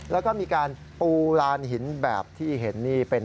แล้วก็มีการปูลานหินแบบที่เห็นนี่เป็น